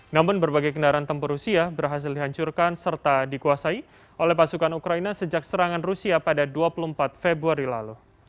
namun berbagai kendaraan tempur rusia berhasil dihancurkan serta dikuasai oleh pasukan ukraina sejak serangan rusia pada dua puluh empat februari lalu